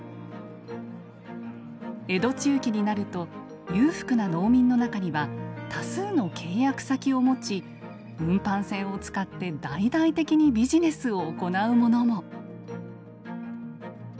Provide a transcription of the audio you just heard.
江戸中期になると裕福な農民の中には多数の契約先を持ち運搬船を使って大々的にビジネスを行う者も。